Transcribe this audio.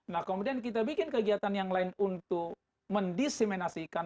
nah kemudian kita bikin kegiatan yang lain untuk mendisiminasikan